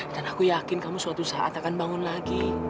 dan aku yakin kamu suatu saat akan bangun lagi